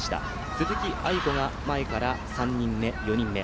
鈴木亜由子が前から３人目、４人目。